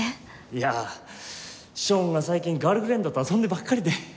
いやあショーンが最近ガールフレンドと遊んでばっかりで。